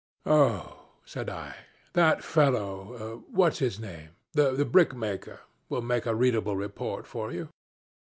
'Oh,' said I, 'that fellow what's his name? the brickmaker, will make a readable report for you.'